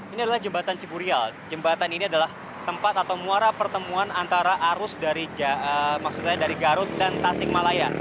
ini adalah jembatan ciburial jembatan ini adalah tempat atau muara pertemuan antara arus dari maksud saya dari garut dan tasik malaya